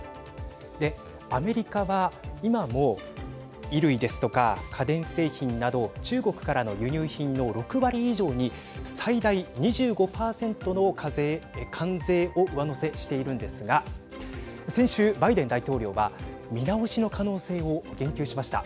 アメリカは、今も衣類ですとか、家電製品など中国からの輸入品の６割以上に最大２５％の関税を上乗せしているんですが先週、バイデン大統領は見直しの可能性を言及しました。